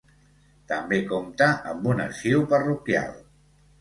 També compta amb un arxiu parroquial.